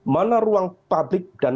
mana ruang publik dan